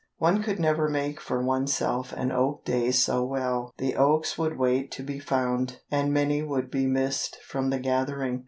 One could never make for oneself an oak day so well. The oaks would wait to be found, and many would be missed from the gathering.